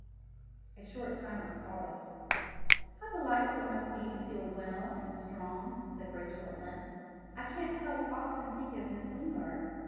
A short silence followed. "How delightful it must be to feel well and strong!" said Rachel at length. "I can't help often thinking of Miss Lingard.